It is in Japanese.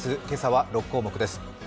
今朝は６項目です。